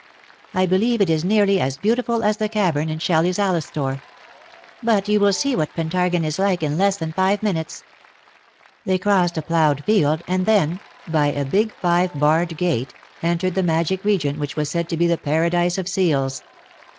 I believe it is nearly as beauti ful as the cavern in Shelley's ^ Alastor.^ But you will see what Pentargon is like in less than five minutes.^' They crossed a ploughed field, and then, by a big I 2 IIG ^^love! thou art leading me five barred gate, entered the magic region whicb was said to be tbe paradise of seals.